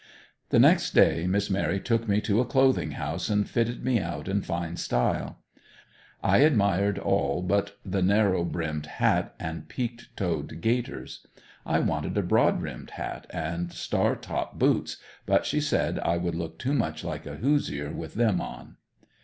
The next day Miss Mary took me to a clothing house and fitted me out in fine style. I admired all but the narrow brimmed hat and peaked toed gaiters. I wanted a broad brimmed hat and star top boots, but she said I would look too much like a hoosier with them on.